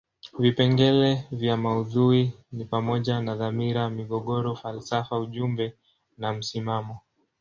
Vipengele vya maudhui ni pamoja na dhamira, migogoro, falsafa ujumbe na msimamo.